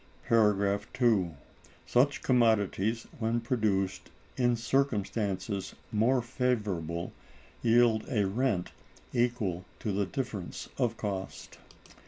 § 2. Such commodities, when Produced in circumstances more favorable, yield a Rent equal to the difference of Cost.